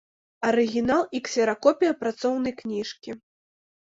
Арыгінал і ксеракопія працоўнай кніжкі.